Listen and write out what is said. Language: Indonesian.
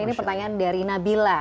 ini pertanyaan dari nabila